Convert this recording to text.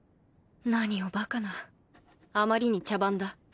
何をバカなあまりに茶番だ